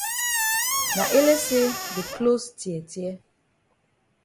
Na ele say the closs tear tear.